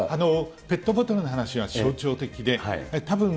ペットボトルの話は象徴的でたぶん